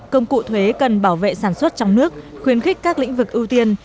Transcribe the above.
công cụ thuế cần bảo vệ sản xuất trong nước khuyến khích các lĩnh vực ưu tiên